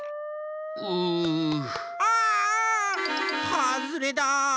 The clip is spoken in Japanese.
はずれだ！